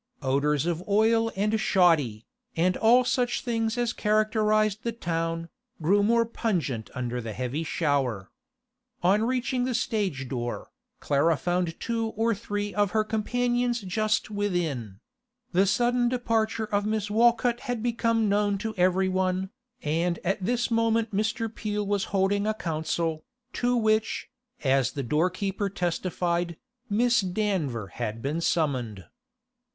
Odours of oil and shoddy, and all such things as characterised the town, grew more pungent under the heavy shower. On reaching the stage door, Clara found two or three of her companions just within; the sudden departure of Miss Walcott had become known to everyone, and at this moment Mr. Peel was holding a council, to which, as the doorkeeper testified, Miss Danver had been summoned.